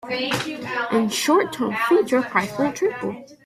In the short term future, prices will triple.